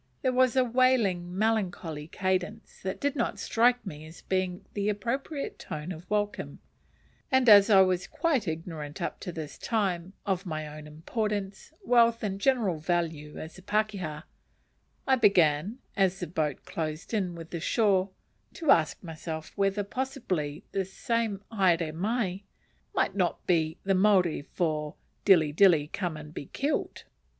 There was a wailing melancholy cadence that did not strike me as being the appropriate tone of welcome; and as I was quite ignorant up to this time of my own importance, wealth, and general value as a pakeha, I began, as the boat closed in with the shore, to ask myself whether possibly this same "haere mai" might not be the Maori for "dilly, dilly, come and be killed."